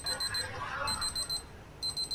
Awali makamu wa Rais ni Dokta Philip Mpango